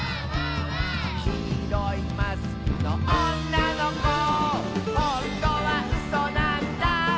「きいろいマスクのおんなのこ」「ほんとはうそなんだ」